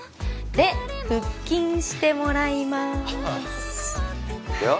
で腹筋してもらいますいくよ